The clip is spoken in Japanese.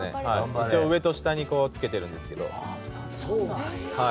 一応上と下に着けてるんですけど。